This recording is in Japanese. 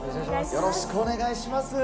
よろしくお願いします。